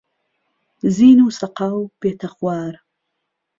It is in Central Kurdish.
زین و سهقاو بێته خوار